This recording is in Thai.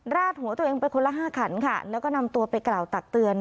ดหัวตัวเองไปคนละห้าขันค่ะแล้วก็นำตัวไปกล่าวตักเตือน